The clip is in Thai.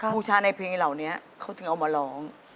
บูชาในเพลงเหล่านี้เขาถึงเอามาร้อง